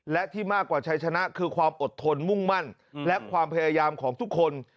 และที่มากกว่าชัยชนะคือความอดทนมุ่งมั่นและความพยายามของทุกคน